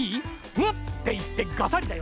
ムッていってガサリだよ。